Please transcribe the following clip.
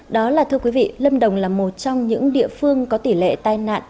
đó là thưa quý vị lâm đồng là một trong những địa phương có tỷ lệ tai nạn